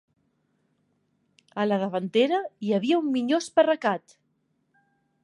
A la davantera, hi havia un minyó esparracat